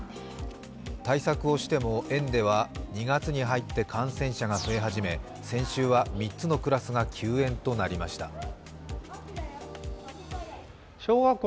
対策をしても、園では２月に入って感染者が増え始め先週は３つのクラスが休園となりました。